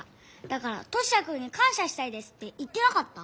だからトシヤくんにかんしゃしたいですって言ってなかった？